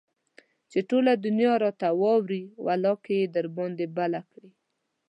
چې ټوله دنيا راته واوړي ولاکه يي راباندى بله کړي